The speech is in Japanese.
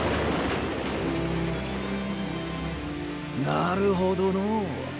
なるほどのう。